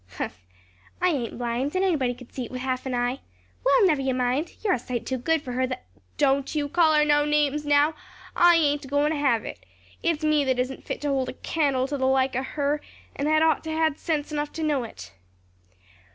"Humph! I ain't blind, and anybody could see it with half an eye. Well, never you mind! you're a sight too good fur her, the " "Don't you call her no names now! I ain't agoin' to have it. It's me that isn't fit to hold a candle to the like o' her, and had ought to had sense enough to know it.